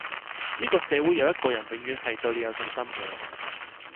呢個社會有一個人永遠係對你有信心嘅